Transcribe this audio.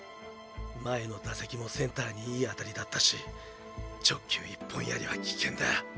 前の打席もセンターにいいあたりだったし直球一本やりは危険だ！